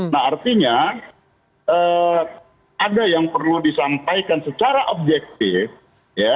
nah artinya ada yang perlu disampaikan secara objektif ya